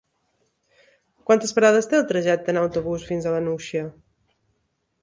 Quantes parades té el trajecte en autobús fins a la Nucia?